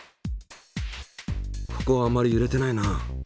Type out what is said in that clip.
ここはあんまりゆれてないな。